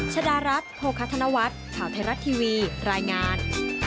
ชดารัฐโภคธนวัฒน์ข่าวไทยรัฐทีวีรายงาน